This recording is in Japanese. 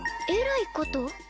えらいこと？